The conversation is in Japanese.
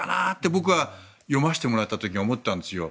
僕は読ませてもらった時思ったんですよ。